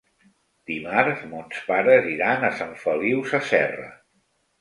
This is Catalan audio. Dimarts mons pares iran a Sant Feliu Sasserra.